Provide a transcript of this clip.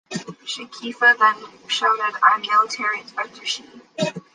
Shi Kefa then shouted I'm Military Inspector Shi.